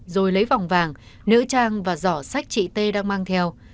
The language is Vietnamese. rồi lấy vòng vàng nữ trang và giỏ sách chị t đang mang theo